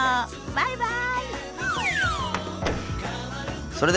バイバイ。